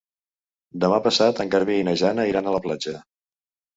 Demà passat en Garbí i na Jana iran a la platja.